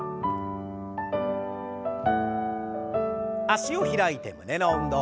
脚を開いて胸の運動。